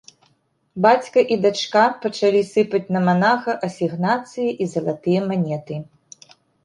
Бацька і дачка пачалі сыпаць на манаха асігнацыі і залатыя манеты.